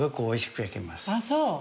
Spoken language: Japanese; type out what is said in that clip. ああそう。